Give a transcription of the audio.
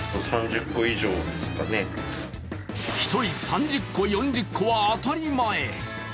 １人３０個、４０個は当たり前。